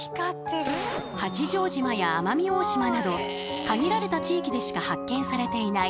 八丈島や奄美大島など限られた地域でしか発見されていない